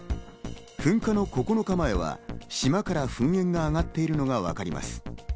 噴火の９日前は島から噴煙が上がっているのがわかります。